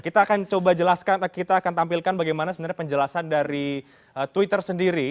kita akan coba jelaskan kita akan tampilkan bagaimana sebenarnya penjelasan dari twitter sendiri